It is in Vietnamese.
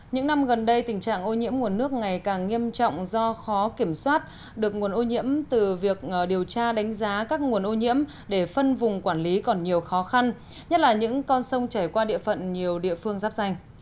những năm gần đây tình trạng ô nhiễm nguồn nước ngày càng nghiêm trọng do khó kiểm soát được nguồn ô nhiễm từ việc điều tra đánh giá các nguồn ô nhiễm để phân vùng quản lý còn nhiều khó khăn nhất là những con sông chảy qua địa phận nhiều địa phương giáp danh